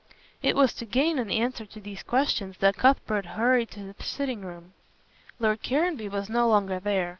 It was to gain an answer to these questions that Cuthbert hurried to the sitting room. Lord Caranby was no longer there.